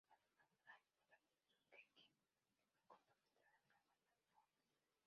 Además Tracy protagonizó The Kin, primer cortometraje de la banda Lordi.